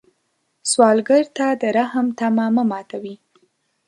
سوالګر ته د رحم تمه مه ماتوي